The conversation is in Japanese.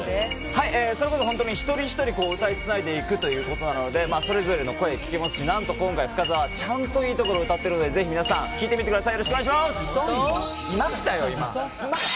それこそ本当に一人ひとり歌いつないでいくということなのでそれぞれの声が聴けますし何と今回、深澤ちゃんといいところを歌っているので聴いてみてください。